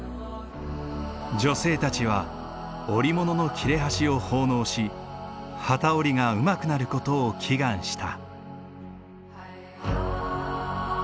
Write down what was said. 女性たちは織物の切れ端を奉納し機織りがうまくなる事を祈願した。